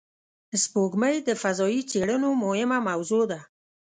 سپوږمۍ د فضایي څېړنو مهمه موضوع ده